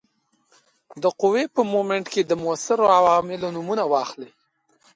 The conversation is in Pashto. د قوې په مومنټ کې د موثرو عواملو نومونه واخلئ.